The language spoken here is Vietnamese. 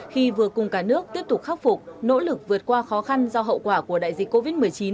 khi vừa cùng cả nước tiếp tục khắc phục nỗ lực vượt qua khó khăn do hậu quả của đại dịch covid một mươi chín